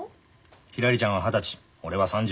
ひらりちゃんは二十歳俺は３０。